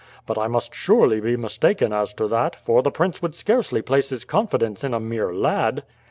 But I must surely be mistaken as to that, for the prince would scarcely place his confidence in a mere lad."